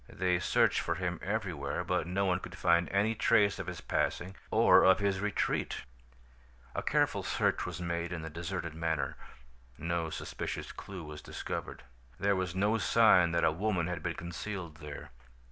They searched for him everywhere, but no one could find any trace of his passing or of his retreat. "A careful search was made in the deserted manor. No suspicious clue was discovered. "There was no sign that a woman had been concealed there.